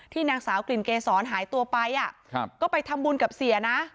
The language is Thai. นางสาวกลิ่นเกษรหายตัวไปก็ไปทำบุญกับเสียนะ